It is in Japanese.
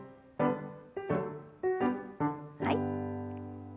はい。